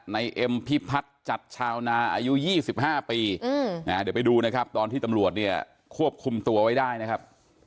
เอ็มพิพัฒน์จัดชาวนาอายุ๒๕ปีเดี๋ยวไปดูนะครับตอนที่ตำรวจเนี่ยควบคุมตัวไว้ได้นะครับ